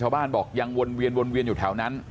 ชาวบ้านบอกยังวนเวียนอยู่แถวนั้น